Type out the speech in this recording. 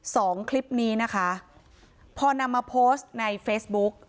สองคลิปนี้นะคะพอนำมาโพสต์ในเฟซบุ๊ก